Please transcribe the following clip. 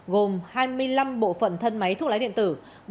gồm hai mươi năm bộ phận thân máy thuốc lá điện tử